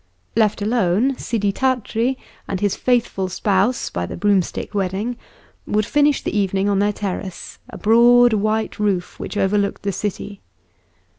Left alone, Sidi Tart'ri and his faithful spouse by the broomstick wedding would finish the evening on their terrace, a broad white roof which overlooked the city.